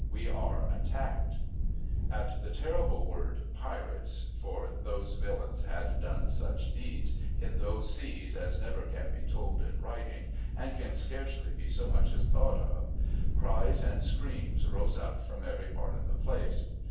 We are attacked !' At the terrible word ' Pirates !'— for, those villains had done such deeds in those seas as never can be told in writing, and can scarcely be so much as thought of — cries and screams rose uj) from every part of the place.